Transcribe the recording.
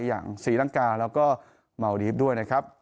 อย่างศรีรังกาและเมาดีฟด้วย